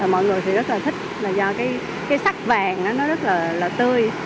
mọi người thì rất là thích là do cái sắc vàng nó rất là tươi